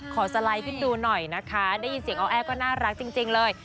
สไลด์ขึ้นดูหน่อยนะคะได้ยินเสียงอ้อแอก็น่ารักจริงเลย